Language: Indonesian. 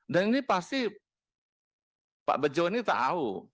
dan ini pasti pak bejo ini tahu